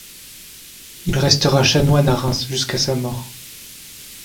Il restera chanoine à Reims jusqu'à sa mort.